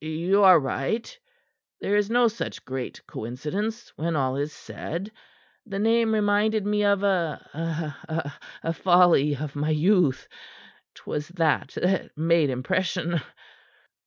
You are right. There is no such great coincidence, when all is said. The name reminded me of a a folly of my youth. 'Twas that that made impression."